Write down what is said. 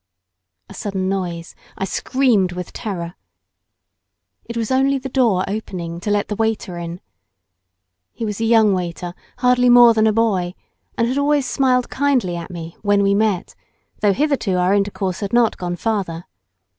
A sudden noise; I screamed with terror. It was only the door opening to let the waiter in. He was a young waiter. hardly more than a boy, and had always smiled kindly at me when we met, though hitherto our intercourse had not gone farther.